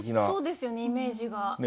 そうですよねイメージが。